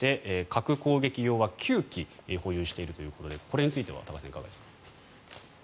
核攻撃用は９機保有しているということでこれについては高橋さんいかがですか。